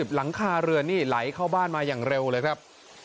หลังคาเรือนนี่ไหลเข้าบ้านมาอย่างเร็วเลยครับ